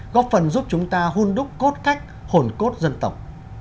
góp phần giúp chúng ta hôn đúc cốt cách hồn cốt dân tộc